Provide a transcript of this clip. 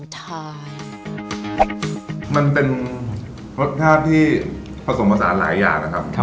ใช่มันเป็นรสชาติที่ผสมผสานหลายอย่างนะครับ